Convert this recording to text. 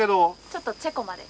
ちょっとチェコまで。